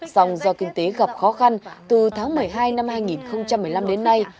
song do kinh tế gặp khó khăn từ tháng một mươi hai năm hai nghìn một mươi năm đến nay